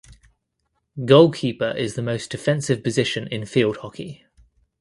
Goalkeeper is the most defensive position in field hockey.